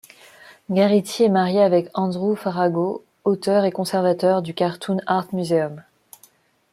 Garrity est mariée avec Andrew Farago, auteur et conservateur du Cartoon Art Museum.